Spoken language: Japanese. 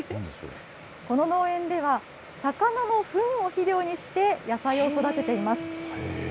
この農園では、魚のふんを肥料にして、野菜を育てています。